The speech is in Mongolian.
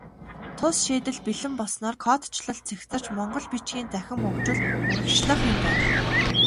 Тус шийдэл бэлэн болсноор кодчилол цэгцэрч, монгол бичгийн цахим хөгжил урагшлах юм байна.